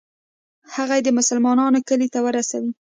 هغه یې د مسلمانانو کلي ته ورسوي.